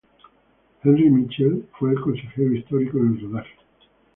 Henri Michel fue el consejero histórico en el rodaje.